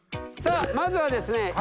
さあまずはですね